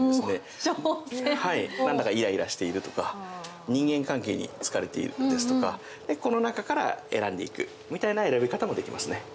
読書処方箋というふうになんだかイライラしているとか人間関係に疲れているとかこの中から選んでいくみたいな選び方もできますね。